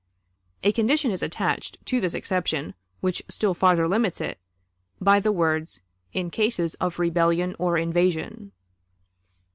A condition is attached to this exception which still farther limits it, by the words "in cases of rebellion or invasion."